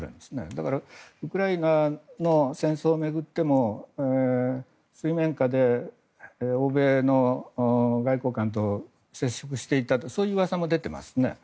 だからウクライナの戦争を巡っても水面下で欧米の外交官と接触していたそういううわさも出ていますね。